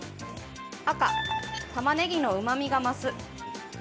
赤・たまねぎの、うまみが増す。